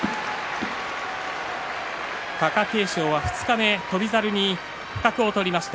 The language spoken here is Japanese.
貴景勝は二日目、翔猿に不覚を取りました。